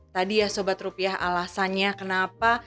tadi ya sobat rupiah alasannya kenapa